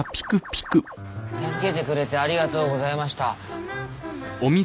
助けてくれてありがとうございました。